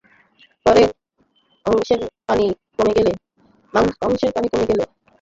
পরে কংশের পানি কমে গেলে এটিকে শয়তানখালী খালে এনে রাখা হয়।